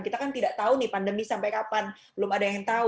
kita kan tidak tahu nih pandemi sampai kapan belum ada yang tahu